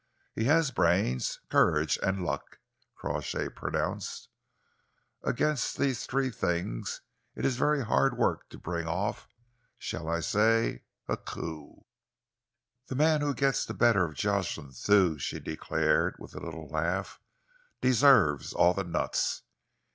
"He has brains, courage and luck," Crawshay pronounced. "Against these three things it is very hard work to bring off shall I say a coup?" "The man who gets the better of Jocelyn Thew," she declared, with a little laugh, "deserves all the nuts.